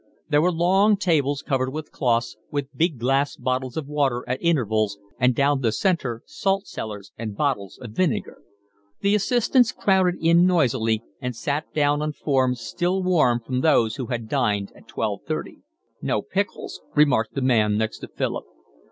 There were long tables covered with cloths, with big glass bottles of water at intervals, and down the centre salt cellars and bottles of vinegar. The assistants crowded in noisily, and sat down on forms still warm from those who had dined at twelve thirty. "No pickles," remarked the man next to Philip.